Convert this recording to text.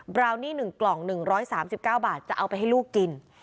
บราวนี่๑กล่อง๑๓๙บาทจะเอาไปให้ลูกกิน